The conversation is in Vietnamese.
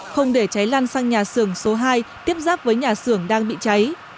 không để cháy lan sang nhà xưởng số hai tiếp giáp với nhà xưởng đang bị cháy